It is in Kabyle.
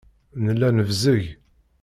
Nella nebzeg.